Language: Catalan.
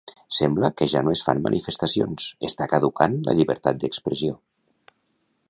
Sembla que ja no es fan manifestacions, està caducant la llibertat d'expressió.